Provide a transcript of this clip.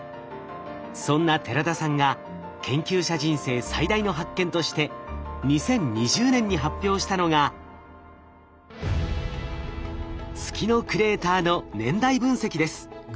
そんな寺田さんが研究者人生最大の発見として２０２０年に発表したのが月のクレーターの年代分析です。